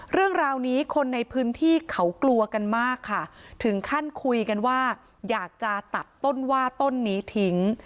เรื่องราวนี้คนในพื้นที่เขากลัวกันมากค่ะถึงขั้นคุยกันว่าอยากจะตัดต้นว่าต้นนี้ทิ้ง